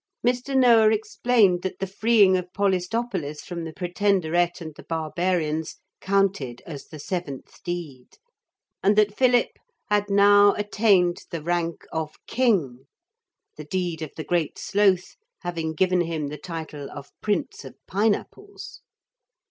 Mr. Noah explained that the freeing of Polistopolis from the Pretenderette and the barbarians counted as the seventh deed and that Philip had now attained the rank of King, the deed of the Great Sloth having given him the title of Prince of Pine apples.